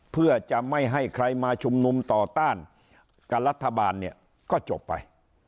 เพื่อจะไม่ให้ใครมาชุมนุมต่อต้านกับรัฐบาลเนี่ยก็จบไป